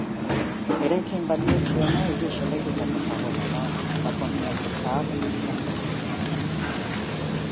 Eraikin baliotsuena hiru solairutako pagoda da, Japoniako zaharrena izan daitekeena.